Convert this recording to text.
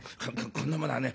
ここんなものはね